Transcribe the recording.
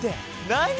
何？